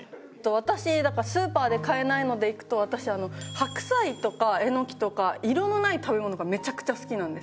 私だからスーパーで買えないのでいくと私白菜とかエノキとか色のない食べ物がめちゃくちゃ好きなんですよ。